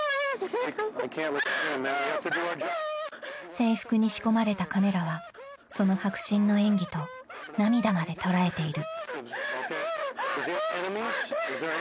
［制服に仕込まれたカメラはその迫真の演技と涙まで捉えている］